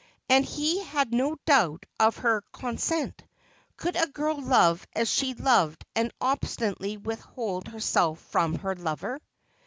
And he had no doubt of her con sent. Could a girl love as she loved, and obstinately withhold herself from her lover